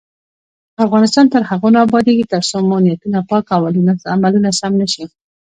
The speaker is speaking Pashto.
افغانستان تر هغو نه ابادیږي، ترڅو مو نیتونه پاک او عملونه سم نشي.